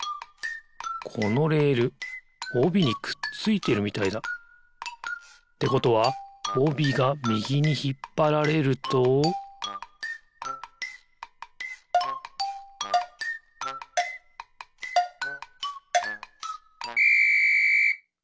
このレールおびにくっついてるみたいだ。ってことはおびがみぎにひっぱられるとピッ！